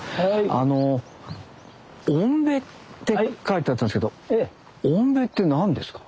あの「おんべ」って書いてあったんですけど「おんべ」って何ですか？